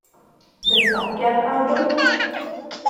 The stop-gap album!?